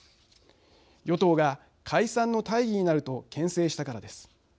与党が解散の大義になるとけん制したからです。